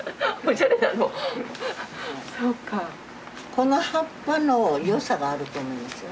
この葉っぱの良さがあると思いますよ。